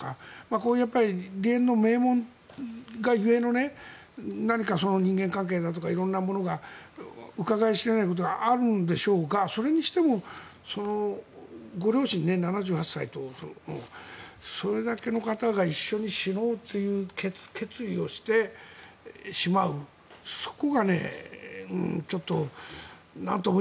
これはやっぱり芸の名門が故の何か人間関係だとか色んなものがうかがい知れないことがあるんでしょうがそれにしてもご両親７８歳とそれだけの方が一緒に死のうという決意をしてしまうそこがちょっとなんとも。